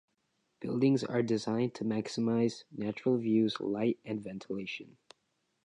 Buildings are designed to maximize natural views, light and ventilation.